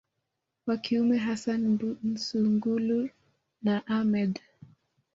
wa kiume hassan Mbunsungulu na Ahmed